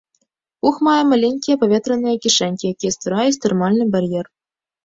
Пух мае маленькія паветраныя кішэнькі, якія ствараюць тэрмальны бар'ер.